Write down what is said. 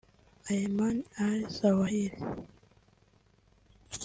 Ayman al-Zawahiri